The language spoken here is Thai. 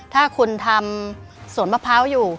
ถ้าคุณทำสวนมะพร้าวอยู่